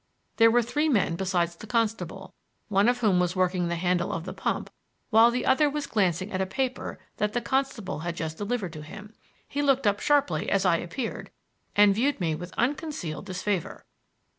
There were three men besides the constable, one of whom was working the handle of the pump, while another was glancing at a paper that the constable had just delivered to him. He looked up sharply as I appeared, and viewed me with unconcealed disfavor.